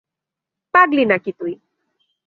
পাগল নাকি তুই?